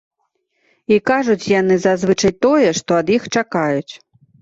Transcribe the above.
І кажуць яны зазвычай тое, што ад іх чакаюць.